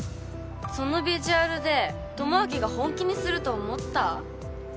そのビジュアルで智章が本気にすると思った？